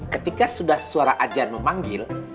ketika sudah suara ajan memanggil